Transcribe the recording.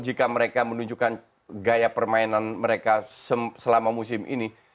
jika mereka menunjukkan gaya permainan mereka selama musim ini